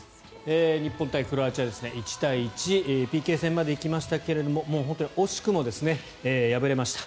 日本対クロアチア、１対１ＰＫ戦まで行きましたが惜しくも敗れました。